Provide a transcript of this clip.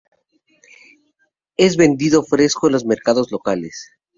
Es vendido fresco en los mercados locales.